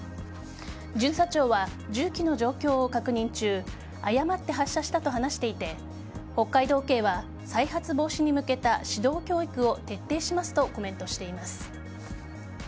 巡査長は銃器の状況を確認中誤って発射したと話していて北海道警は再発防止に向けた指導教育を徹底しますとコメントしています。